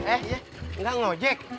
eh ya enggak ngojek